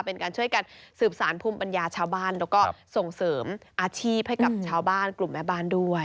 เป็นการช่วยกันสืบสารภูมิปัญญาชาวบ้านแล้วก็ส่งเสริมอาชีพให้กับชาวบ้านกลุ่มแม่บ้านด้วย